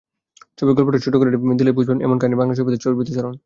ছবির গল্পটা ছোট করে বলে দিলেই বুঝবেন, এমন কাহিনি বাংলা ছবিতে চর্বিতচর্বণ।